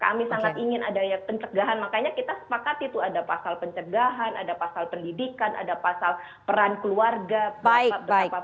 kami sangat ingin ada ya pencegahan makanya kita sepakat itu ada pasal pencegahan ada pasal pendidikan ada pasal penyelidikan